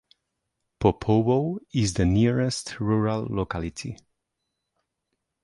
Popovo is the nearest rural locality.